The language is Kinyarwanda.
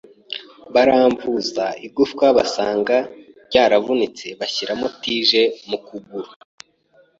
baramvuza igufwa basanga ryarapfuye banshyiramo tige mu kuguru